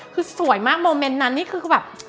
คือสวยมากโมเมนต์นั้นนี่คือแบบ